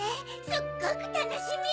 すっごくたのしみ！